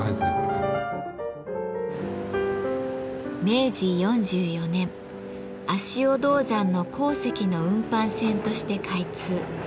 明治４４年足尾銅山の鉱石の運搬線として開通。